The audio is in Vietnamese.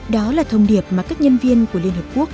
đó là thông điệp mà các nhân viên của liên hợp quốc